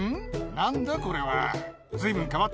何だこれは。あっ！